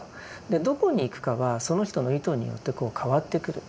どこに行くかはその人の意図によってこう変わってくると。